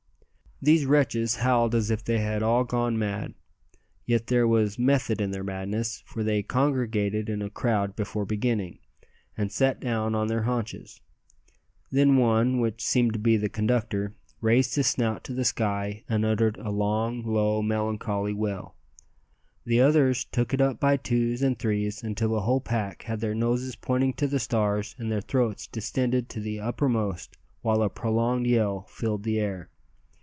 These wretches howled as if they had all gone mad. Yet there was "method in their madness;" for they congregated in a crowd before beginning, and sat down on their haunches. Then one, which seemed to be the conductor, raised his snout to the sky and uttered a long, low, melancholy wail. The others took it up by twos and threes, until the whole pack had their noses pointing to the stars and their throats distended to the uttermost, while a prolonged yell filled the air.